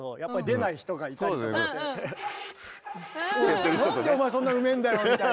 「なんでお前そんなうめえんだよ」みたいな。